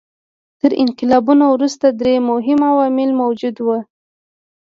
تر انقلابونو وروسته درې مهم عوامل موجود وو.